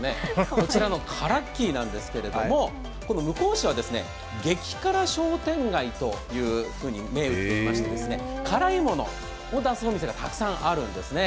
こちらのからっキーなんですけれども向日市は激辛商店街というふうに銘打っていまして、辛いものを出すお店がたくさんあるんですね。